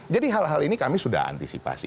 jadi hal hal ini kami sudah antisipasi